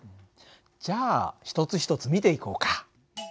じゃあ一つ一つ見ていこうか。